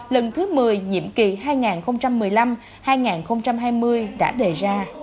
lần thứ một mươi nhiệm kỳ hai nghìn một mươi năm hai nghìn hai mươi đã đề ra